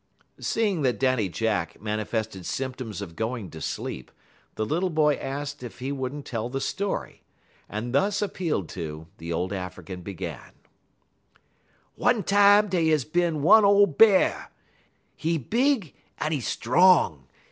Seeing that Daddy Jack manifested symptoms of going to sleep, the little boy asked if he would n't tell the story, and, thus appealed to, the old African began: "One tam dey is bin one ole Bear; 'e big un 'e strong.